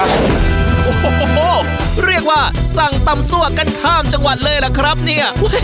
โอ้โหเรียกว่าสั่งตำซั่วกันข้ามจังหวัดเลยล่ะครับเนี่ย